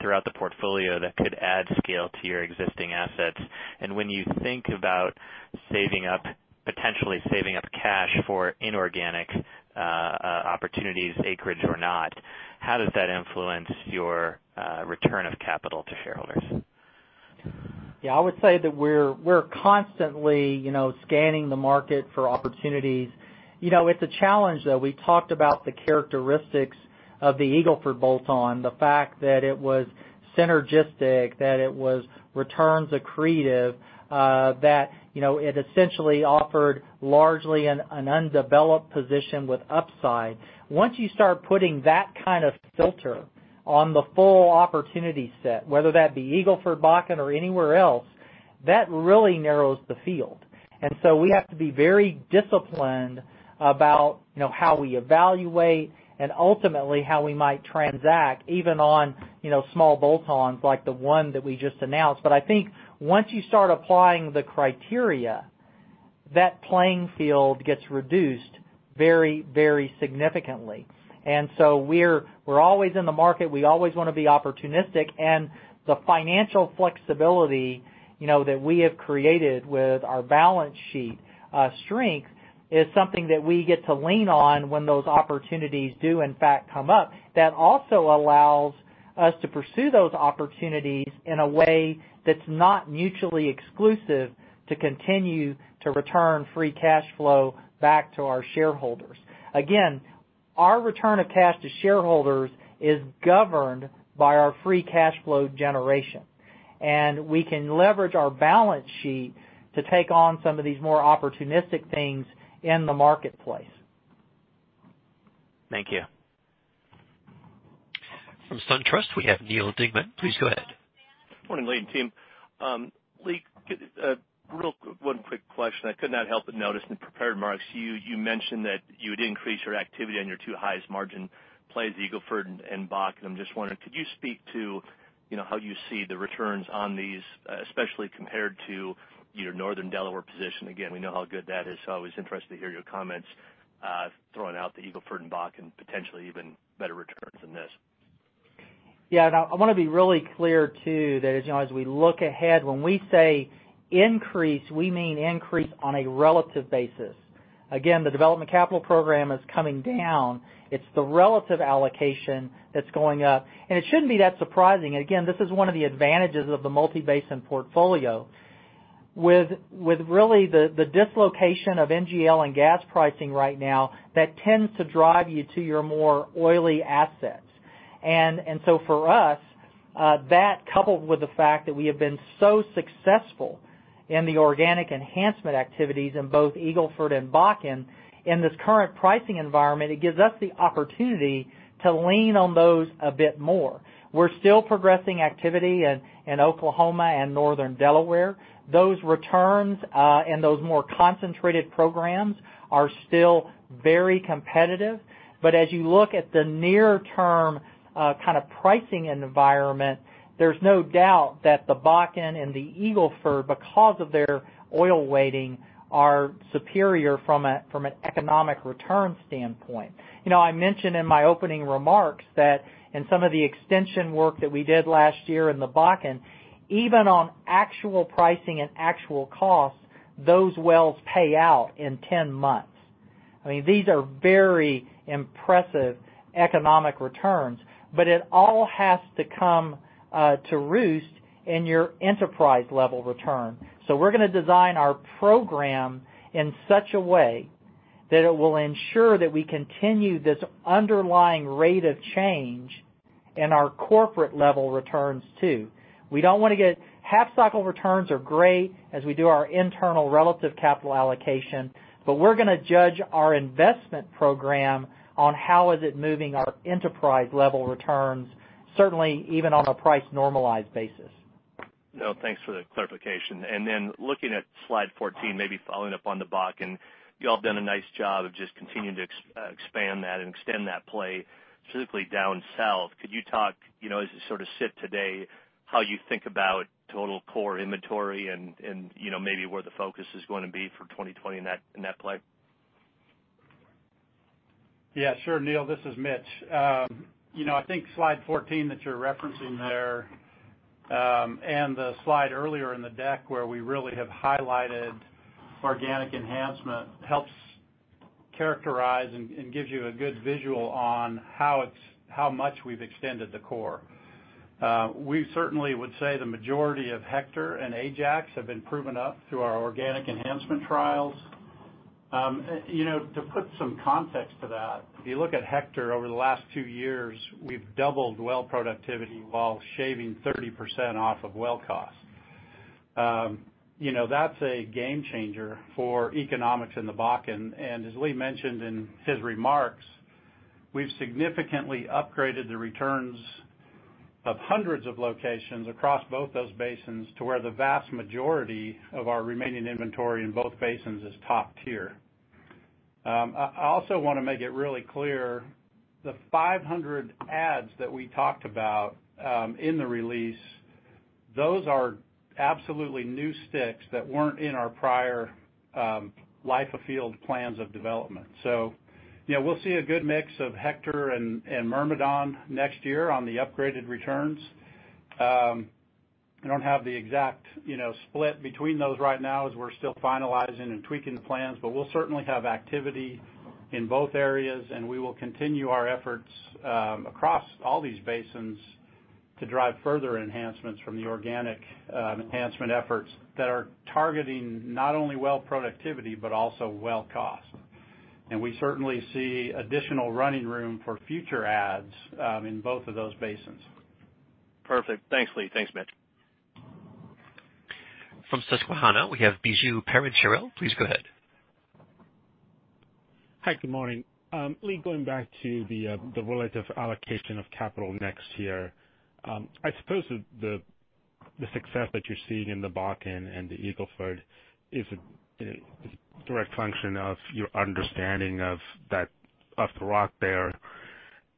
Speaker 8: throughout the portfolio that could add scale to your existing assets? When you think about potentially saving up cash for inorganic opportunities, acreage or not, how does that influence your return of capital to shareholders?
Speaker 3: Yeah, I would say that we're constantly scanning the market for opportunities. It's a challenge, though. We talked about the characteristics of the Eagle Ford bolt-on, the fact that it was synergistic, that it was returns accretive, that it essentially offered largely an undeveloped position with upside. Once you start putting that kind of filter on the full opportunity set, whether that be Eagle Ford, Bakken, or anywhere else, that really narrows the field. We have to be very disciplined about how we evaluate, and ultimately how we might transact, even on small bolt-ons like the one that we just announced. I think once you start applying the criteria, that playing field gets reduced very significantly. We're always in the market. We always want to be opportunistic. The financial flexibility that we have created with our balance sheet strength is something that we get to lean on when those opportunities do in fact come up. That also allows us to pursue those opportunities in a way that's not mutually exclusive to continue to return free cash flow back to our shareholders. Again, our return of cash to shareholders is governed by our free cash flow generation. We can leverage our balance sheet to take on some of these more opportunistic things in the marketplace.
Speaker 8: Thank you.
Speaker 1: From SunTrust, we have Neal Dingmann. Please go ahead.
Speaker 9: Good morning, Lee and team. Lee, one quick question. I could not help but notice in the prepared remarks, you mentioned that you'd increase your activity on your two highest margin plays, Eagle Ford and Bakken. I'm just wondering, could you speak to how you see the returns on these, especially compared to your Northern Delaware position? Again, we know how good that is, so I was interested to hear your comments throwing out the Eagle Ford and Bakken, potentially even better returns than this.
Speaker 3: Yeah. No, I want to be really clear, too, that as we look ahead, when we say increase, we mean increase on a relative basis. The development capital program is coming down. It's the relative allocation that's going up, and it shouldn't be that surprising. This is one of the advantages of the multi-basin portfolio. With really the dislocation of NGL and gas pricing right now, that tends to drive you to your more oily assets. For us, that coupled with the fact that we have been so successful in the organic enhancement activities in both Eagle Ford and Bakken. In this current pricing environment, it gives us the opportunity to lean on those a bit more. We're still progressing activity in Oklahoma and Northern Delaware. Those returns, and those more concentrated programs are still very competitive. As you look at the near term kind of pricing environment, there's no doubt that the Bakken and the Eagle Ford, because of their oil weighting, are superior from an economic return standpoint. I mentioned in my opening remarks that in some of the extension work that we did last year in the Bakken, even on actual pricing and actual costs, those wells pay out in 10 months. I mean, these are very impressive economic returns. It all has to come to roost in your enterprise-level return. We're going to design our program in such a way that it will ensure that we continue this underlying rate of change in our corporate level returns too. We don't want to get half-cycle returns are great as we do our internal relative capital allocation, but we're going to judge our investment program on how is it moving our enterprise level returns, certainly even on a price-normalized basis.
Speaker 9: No, thanks for the clarification. Looking at slide 14, maybe following up on the Bakken, you all done a nice job of just continuing to expand that and extend that play specifically down south. Could you talk, as you sort of sit today, how you think about total core inventory and maybe where the focus is going to be for 2020 in that play?
Speaker 10: Yeah, sure. Neal, this is Mitch. I think slide 14 that you're referencing there, and the slide earlier in the deck where we really have highlighted organic enhancement helps characterize and gives you a good visual on how much we've extended the core. We certainly would say the majority of Hector and Ajax have been proven up through our organic enhancement trials. To put some context to that, if you look at Hector over the last two years, we've doubled well productivity while shaving 30% off of well costs. That's a game changer for economics in the Bakken. As Lee mentioned in his remarks, we've significantly upgraded the returns of hundreds of locations across both those basins to where the vast majority of our remaining inventory in both basins is top tier. I also want to make it really clear, the 500 adds that we talked about in the release, those are absolutely new sticks that weren't in our prior life of field plans of development. We'll see a good mix of Hector and Myrmidon next year on the upgraded returns. I don't have the exact split between those right now as we're still finalizing and tweaking the plans, we'll certainly have activity in both areas, we will continue our efforts across all these basins to drive further enhancements from the organic enhancement efforts that are targeting not only well productivity, but also well cost. We certainly see additional running room for future adds in both of those basins.
Speaker 9: Perfect. Thanks, Lee. Thanks, Mitch.
Speaker 1: From Susquehanna, we have Biju Perincheril. Please go ahead.
Speaker 11: Hi, good morning, Lee, going back to the relative allocation of capital next year, I suppose the success that you're seeing in the Bakken and the Eagle Ford is a direct function of your understanding of the rock there.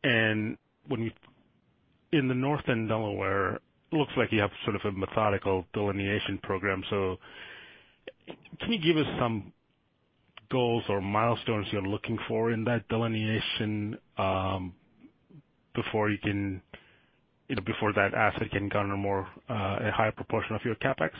Speaker 11: In the Northern Delaware, looks like you have sort of a methodical delineation program. Can you give us some goals or milestones you're looking for in that delineation before that asset can garner a higher proportion of your CapEx?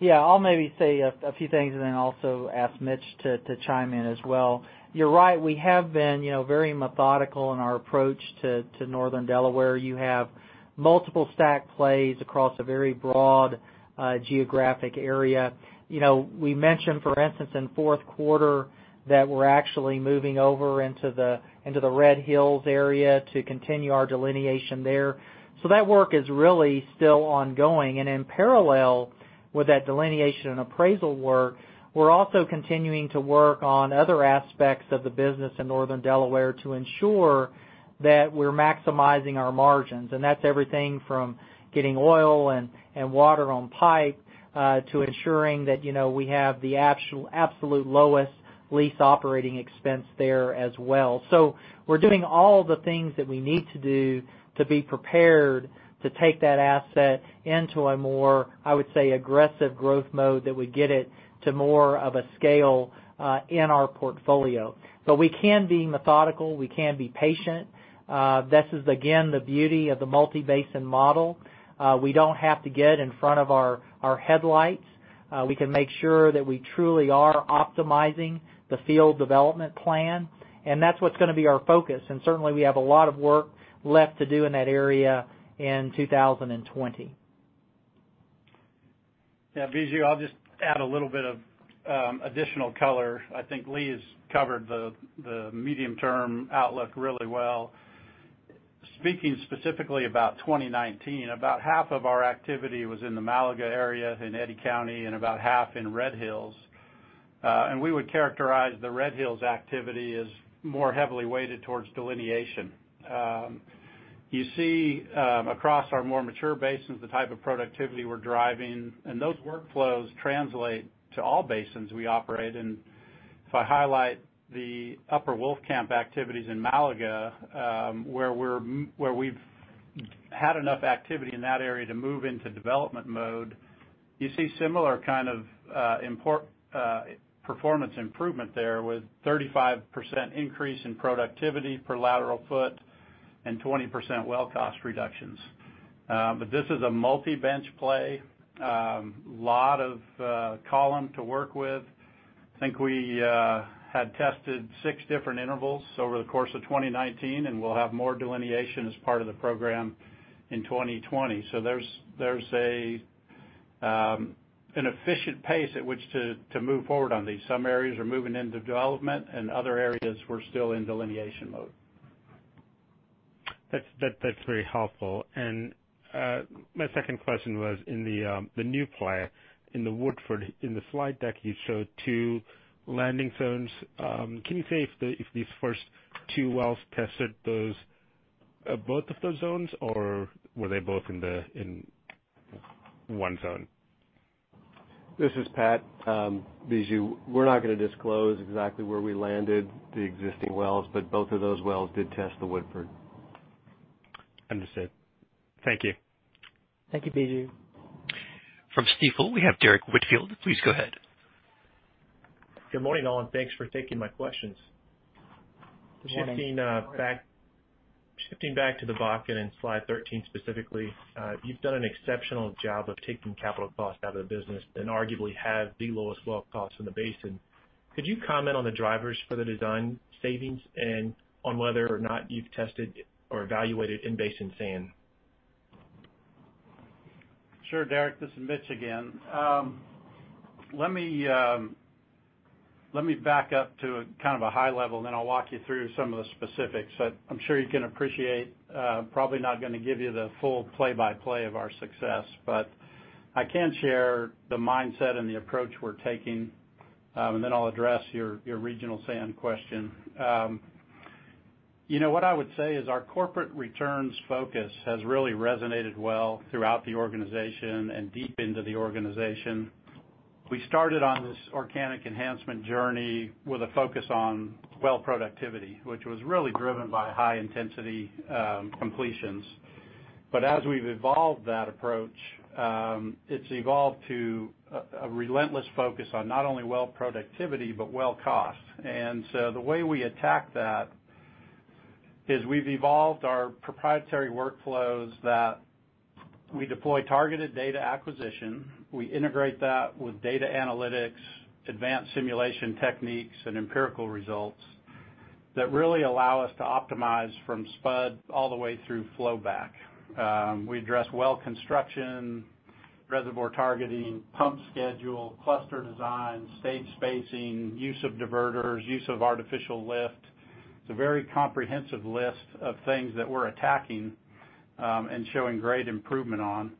Speaker 3: Yeah. I'll maybe say a few things and then also ask Mitch to chime in as well. You're right. We have been very methodical in our approach to Northern Delaware. You have multiple STACK plays across a very broad geographic area. We mentioned, for instance, in fourth quarter that we're actually moving over into the Red Hills area to continue our delineation there. That work is really still ongoing. In parallel with that delineation and appraisal work, we're also continuing to work on other aspects of the business in Northern Delaware to ensure that we're maximizing our margins. That's everything from getting oil and water on pipe, to ensuring that we have the absolute lowest lease operating expense there as well. We're doing all the things that we need to do to be prepared to take that asset into a more, I would say, aggressive growth mode that would get it to more of a scale in our portfolio. We can be methodical. We can be patient. This is again, the beauty of the multi-basin model. We don't have to get in front of our headlights. We can make sure that we truly are optimizing the field development plan, and that's what's going to be our focus. Certainly, we have a lot of work left to do in that area in 2020.
Speaker 10: Yeah, Biju, I'll just add a little bit of additional color. I think Lee has covered the medium-term outlook really well. Speaking specifically about 2019, about half of our activity was in the Malaga area in Eddy County, and about half in Red Hills. We would characterize the Red Hills activity as more heavily weighted towards delineation. You see across our more mature basins the type of productivity we're driving, and those workflows translate to all basins we operate in. If I highlight the Upper Wolfcamp activities in Malaga, where we've had enough activity in that area to move into development mode, you see similar kind of performance improvement there, with 35% increase in productivity per lateral foot and 20% well cost reductions. This is a multi-bench play. Lot of column to work with. I think we had tested six different intervals over the course of 2019, and we'll have more delineation as part of the program in 2020. There's an efficient pace at which to move forward on these. Some areas are moving into development, and other areas we're still in delineation mode.
Speaker 11: That's very helpful. My second question was in the new play in the Woodford. In the slide deck, you showed two landing zones. Can you say if these first two wells tested both of those zones, or were they both in one zone?
Speaker 5: This is Pat. Biju, we're not going to disclose exactly where we landed the existing wells. Both of those wells did test the Woodford.
Speaker 11: Understood. Thank you.
Speaker 3: Thank you, Biju.
Speaker 1: From Stifel, we have Derrick Whitfield. Please go ahead.
Speaker 12: Good morning, all, and thanks for taking my questions.
Speaker 3: Good morning.
Speaker 12: Shifting back to the Bakken, slide 13 specifically, you've done an exceptional job of taking capital costs out of the business and arguably have the lowest well costs in the basin. Could you comment on the drivers for the design savings and on whether or not you've tested or evaluated in-basin sand?
Speaker 10: Sure, Derrick. This is Mitch again. Let me back up to a high level, then I'll walk you through some of the specifics. I'm sure you can appreciate, probably not going to give you the full play-by-play of our success, I can share the mindset and the approach we're taking, then I'll address your regional sand question. What I would say is our corporate returns focus has really resonated well throughout the organization and deep into the organization. We started on this organic enhancement journey with a focus on well productivity, which was really driven by high-intensity completions. As we've evolved that approach, it's evolved to a relentless focus on not only well productivity, but well cost. The way we attack that is we've evolved our proprietary workflows that we deploy targeted data acquisition. We integrate that with data analytics, advanced simulation techniques, and empirical results that really allow us to optimize from spud all the way through flowback. We address well construction, reservoir targeting, pump schedule, cluster design, stage spacing, use of diverters, use of artificial lift. It's a very comprehensive list of things that we're attacking and showing great improvement on.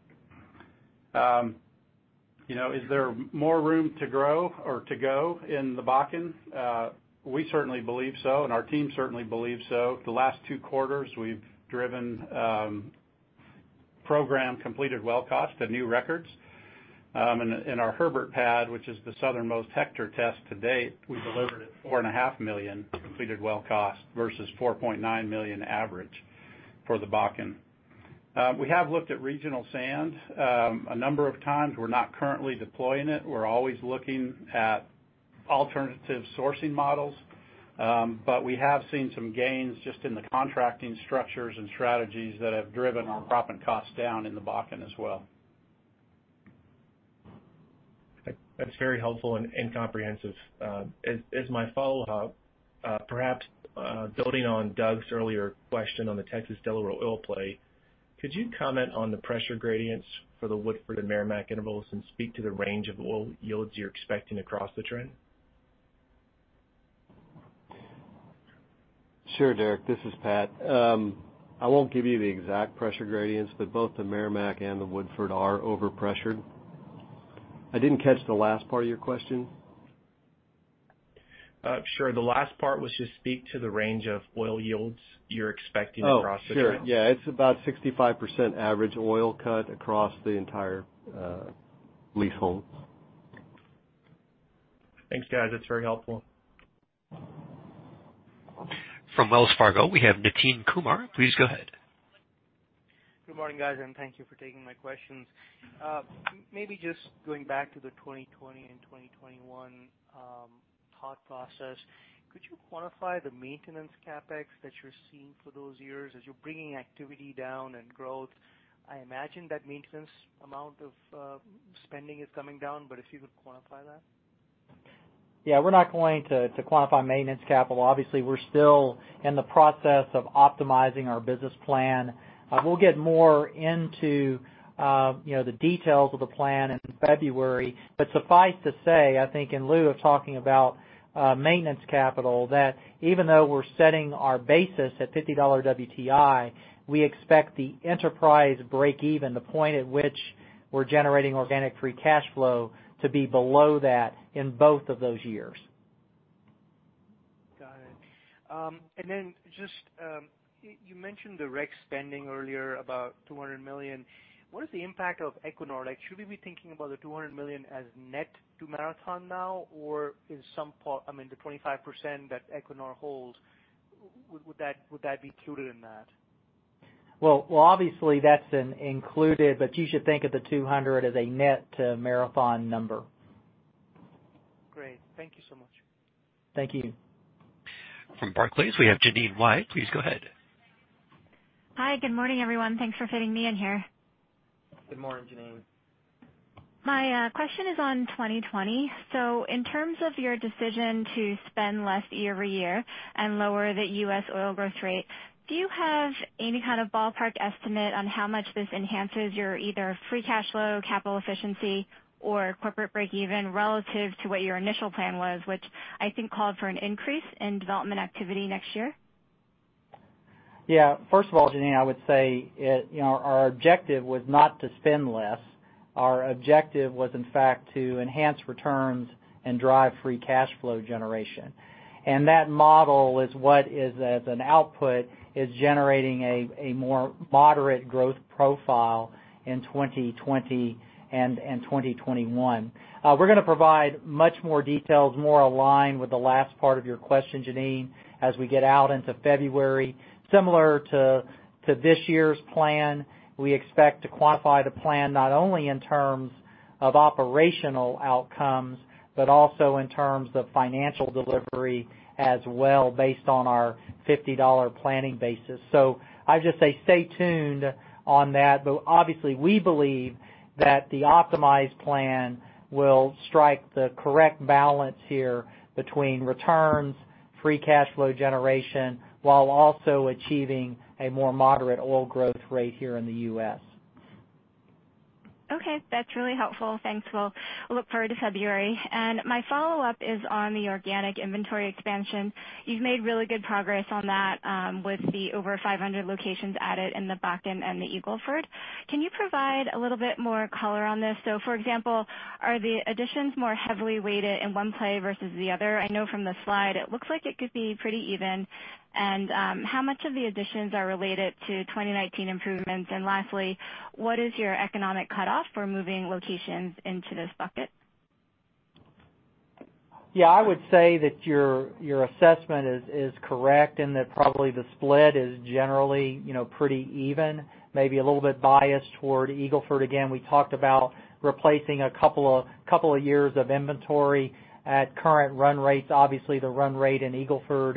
Speaker 10: Is there more room to grow or to go in the Bakken? We certainly believe so, and our team certainly believes so. The last two quarters, we've driven program completed well cost to new records. In our Herbert pad, which is the southernmost Hector test to date, we delivered at four and a half million completed well cost versus $4.9 million average for the Bakken. We have looked at regional sand a number of times. We're not currently deploying it. We're always looking at alternative sourcing models. We have seen some gains just in the contracting structures and strategies that have driven our proppant costs down in the Bakken as well.
Speaker 12: That's very helpful and comprehensive. As my follow-up, perhaps building on Doug's earlier question on the Texas Delaware Oil Play, could you comment on the pressure gradients for the Woodford and Meramec intervals and speak to the range of oil yields you're expecting across the trend?
Speaker 5: Sure, Derrick. This is Pat. I won't give you the exact pressure gradients, but both the Meramec and the Woodford are overpressured. I didn't catch the last part of your question.
Speaker 12: Sure. The last part was just speak to the range of oil yields you're expecting across the trend.
Speaker 5: Oh, sure. Yeah. It's about 65% average oil cut across the entire leasehold.
Speaker 12: Thanks, guys. That's very helpful.
Speaker 1: From Wells Fargo, we have Nitin Kumar. Please go ahead.
Speaker 13: Good morning, guys, and thank you for taking my questions. Maybe just going back to the 2020 and 2021 thought process, could you quantify the maintenance CapEx that you're seeing for those years as you're bringing activity down and growth? I imagine that maintenance amount of spending is coming down, but if you could quantify that?
Speaker 3: Yeah, we're not going to quantify maintenance capital. Obviously, we're still in the process of optimizing our business plan. We'll get more into the details of the plan in February. Suffice to say, I think in lieu of talking about maintenance capital, that even though we're setting our basis at $50 WTI, we expect the enterprise break even, the point at which we're generating organic free cash flow, to be below that in both of those years.
Speaker 13: Got it. You mentioned the rig spending earlier, about $200 million. What is the impact of Equinor? Should we be thinking about the $200 million as net to Marathon now? The 25% that Equinor holds, would that be included in that?
Speaker 3: Well, obviously, that's included, but you should think of the $200 as a net Marathon number.
Speaker 13: Great. Thank you so much.
Speaker 3: Thank you.
Speaker 1: From Barclays, we have Jeanine Wai. Please go ahead.
Speaker 14: Hi. Good morning, everyone. Thanks for fitting me in here.
Speaker 3: Good morning, Jeanine.
Speaker 14: My question is on 2020. In terms of your decision to spend less year-over-year and lower the U.S. oil growth rate, do you have any kind of ballpark estimate on how much this enhances your either free cash flow, capital efficiency, or corporate breakeven relative to what your initial plan was, which I think called for an increase in development activity next year?
Speaker 3: First of all, Jeanine, I would say our objective was not to spend less. Our objective was, in fact, to enhance returns and drive free cash flow generation. That model is what is, as an output, is generating a more moderate growth profile in 2020 and 2021. We're going to provide much more details, more aligned with the last part of your question, Jeanine, as we get out into February. Similar to this year's plan, we expect to quantify the plan not only in terms of operational outcomes, but also in terms of financial delivery as well, based on our $50 planning basis. I'd just say stay tuned on that. Obviously, we believe that the optimized plan will strike the correct balance here between returns, free cash flow generation, while also achieving a more moderate oil growth rate here in the U.S.
Speaker 14: Okay. That's really helpful. Thanks. Well, look forward to February. My follow-up is on the organic inventory expansion. You've made really good progress on that with the over 500 locations added in the Bakken and the Eagle Ford. Can you provide a little bit more color on this? For example, are the additions more heavily weighted in one play versus the other? I know from the slide it looks like it could be pretty even. How much of the additions are related to 2019 improvements? Lastly, what is your economic cutoff for moving locations into this bucket?
Speaker 3: Yeah, I would say that your assessment is correct, and that probably the split is generally pretty even, maybe a little bit biased toward Eagle Ford. Again, we talked about replacing a couple of years of inventory at current run rates. Obviously, the run rate in Eagle Ford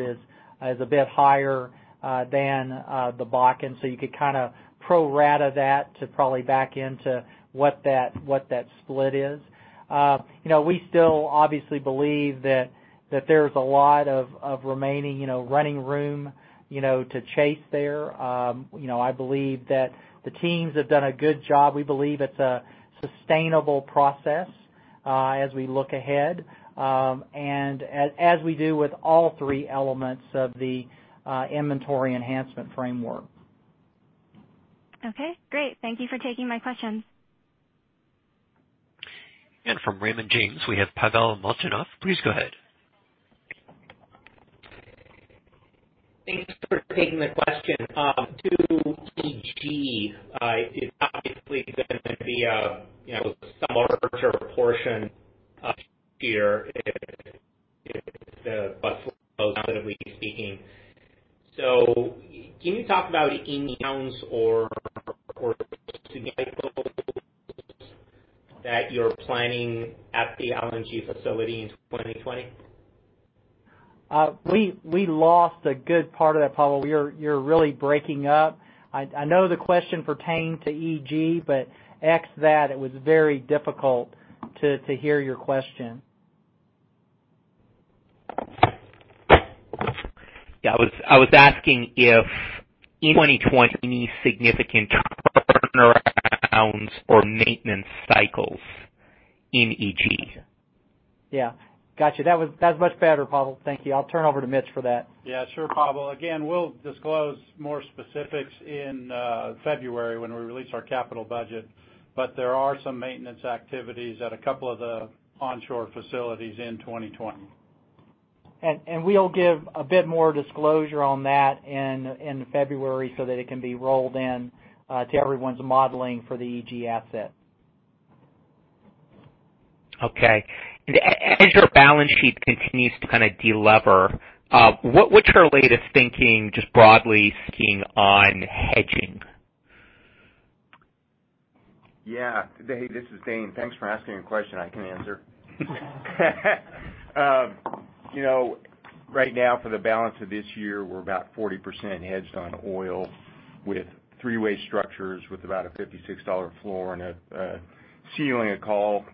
Speaker 3: is a bit higher than the Bakken, so you could kind of pro rata that to probably back into what that split is. We still obviously believe that there's a lot of remaining running room to chase there. I believe that the teams have done a good job. We believe it's a sustainable process as we look ahead, and as we do with all three elements of the Inventory Enhancement Framework.
Speaker 14: Okay, great. Thank you for taking my questions.
Speaker 1: From Raymond James, we have Pavel Molchanov. Please go ahead.
Speaker 15: Thanks for taking the question. EG is obviously going to be a somewhat larger portion here if the base loads positively speaking. Can you talk about any investments that you're planning at the LNG facility in 2020?
Speaker 3: We lost a good part of that, Pavel. You're really breaking up. I know the question pertained to EG, but ex that, it was very difficult to hear your question.
Speaker 15: Yeah, I was asking if 2020, any significant turnarounds or maintenance cycles in EG?
Speaker 3: Yeah. Got you. That was much better, Pavel. Thank you. I'll turn over to Mitch for that.
Speaker 10: Yeah, sure, Pavel. Again, we'll disclose more specifics in February when we release our capital budget, but there are some maintenance activities at a couple of the onshore facilities in 2020.
Speaker 3: We'll give a bit more disclosure on that in February so that it can be rolled into everyone's modeling for the EG asset.
Speaker 15: Okay. As your balance sheet continues to kind of de-lever, what's your latest thinking, just broadly speaking, on hedging?
Speaker 16: Yeah. Pavel, this is Dane. Thanks for asking a question I can answer. Right now for the balance of this year, we're about 40% hedged on oil with three-way structures with about a $56 floor and a ceiling of call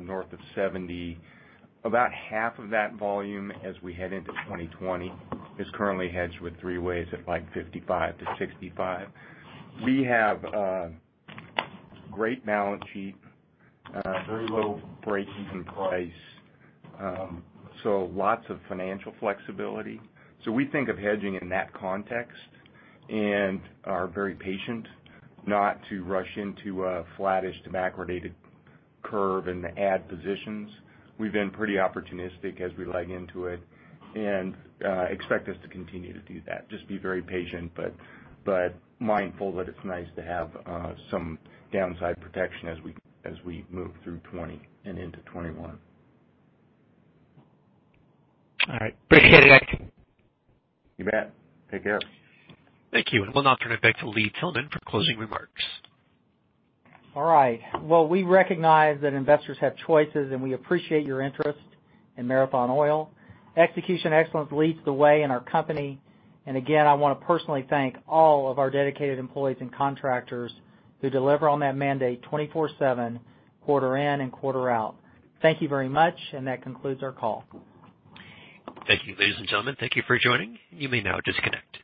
Speaker 16: north of $70. About half of that volume as we head into 2020 is currently hedged with three-ways at like $55-$65. We have a great balance sheet, very low breakeven price, lots of financial flexibility. We think of hedging in that context and are very patient not to rush into a flattish to backwardated curve and add positions. We've been pretty opportunistic as we leg into it and expect us to continue to do that. Just be very patient, but mindful that it's nice to have some downside protection as we move through 2020 and into 2021.
Speaker 15: All right. Appreciate it.
Speaker 16: You bet. Take care.
Speaker 1: Thank you. We'll now turn it back to Lee Tillman for closing remarks.
Speaker 3: All right. Well, we recognize that investors have choices, and we appreciate your interest in Marathon Oil. Execution excellence leads the way in our company. Again, I want to personally thank all of our dedicated employees and contractors who deliver on that mandate 24/7, quarter in and quarter out. Thank you very much, and that concludes our call.
Speaker 1: Thank you, ladies and gentlemen. Thank you for joining. You may now disconnect.